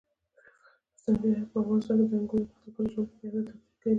په افغانستان کې انګور د خلکو د ژوند په کیفیت تاثیر کوي.